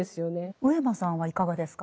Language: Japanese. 上間さんはいかがですか。